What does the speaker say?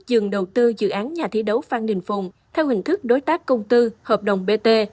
dừng đầu tư dự án nhà thi đấu phan đình phùng theo hình thức đối tác công tư hợp đồng bt